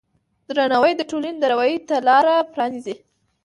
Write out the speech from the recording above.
درناوی د ټولنې د راوي ته لاره پرانیزي.